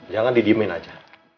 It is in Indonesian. jangan didimin aja